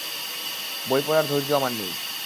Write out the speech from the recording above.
বই পড়ার ধৈর্য আমার নেই।